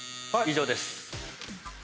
以上です。